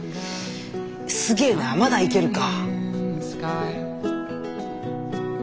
すげぇなまだいけるか。